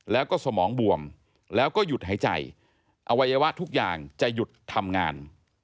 แล้วก็สมองบวมแล้วก็หยุดหายใจอวัยวะทุกอย่างจะหยุดทำงาน